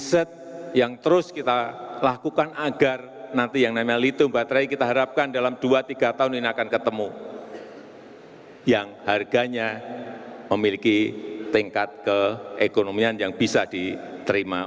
sekali lagi saya menyampaikan selamat menjalankan rakernas yang pertama